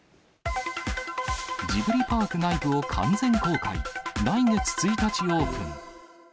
ジブリパーク内部を完全公開、来月１日オープン。